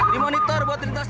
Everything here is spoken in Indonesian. dimonitor buat tuntas di leduk